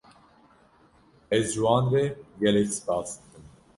Ez ji wan re gelek spas dikim.